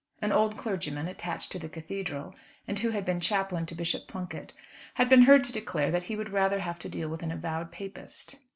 An old clergyman, attached to the cathedral, and who had been chaplain to Bishop Plunket, had been heard to declare that he would rather have to deal with an avowed Papist.